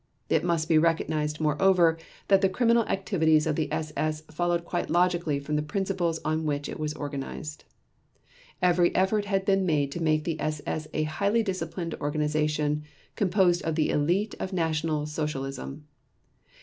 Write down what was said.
It must be recognized, moreover, that the criminal activities of the SS followed quite logically from the principles on which it was organized. Every effort had been made to make the SS a highly disciplined organization composed of the elite of National Socialism.